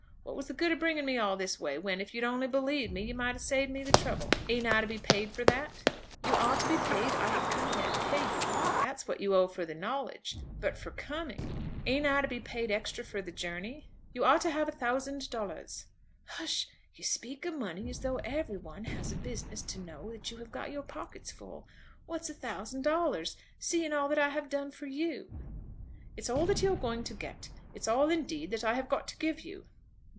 What was the good of bringing me all this way, when, if you'd only believed me, you might have saved me the trouble. Ain't I to be paid for that?" "You are to be paid. I have come here to pay you." "That's what you owe for the knowledge. But for coming? Ain't I to be paid extra for the journey?" "You are to have a thousand dollars." "H'sh! you speak of money as though every one has a business to know that you have got your pockets full. What's a thousand dollars, seeing all that I have done for you!" "It's all that you're going to get. It's all, indeed, that I have got to give you."